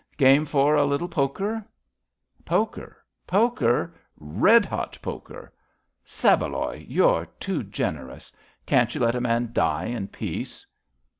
Game for a little poker? ''Poker— poker — red hot poker! Saveloy, you're too generous. Can't you let a man die in peace?